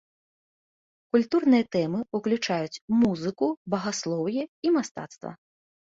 Культурныя тэмы ўключаюць музыку, багаслоўе і мастацтва.